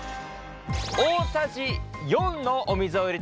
大さじ４のお水を入れていきます。